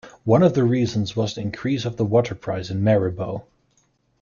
One of the reasons was the increase of the water price in Maribo.